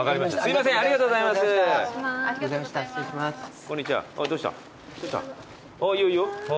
いいよいいよ。